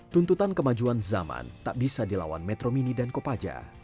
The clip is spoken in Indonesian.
tuntutan kemajuan zaman tak bisa dilawan metro mini dan kopaja